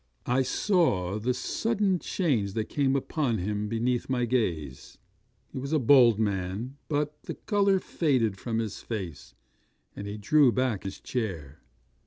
'I saw the sudden change that came upon him beneath my gaze. He was a bold man, but the colour faded from his face, and he drew back his chair.